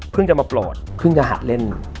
จะมาโปรดเพิ่งจะหัดเล่น